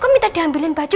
kok minta diambilin baju